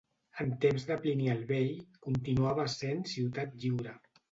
En temps de Plini el Vell continuava essent ciutat lliure.